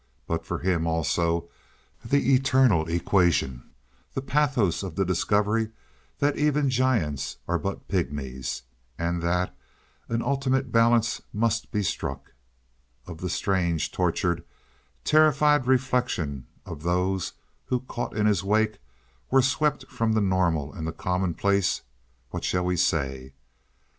But for him also the eternal equation—the pathos of the discovery that even giants are but pygmies, and that an ultimate balance must be struck. Of the strange, tortured, terrified reflection of those who, caught in his wake, were swept from the normal and the commonplace, what shall we say?